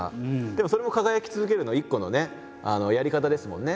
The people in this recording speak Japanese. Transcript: でもそれも「輝き続ける」の一個のねやり方ですもんね。